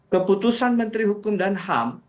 keputusan menteri hukum dan ham